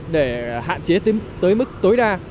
để hạn chế tới mức tối đa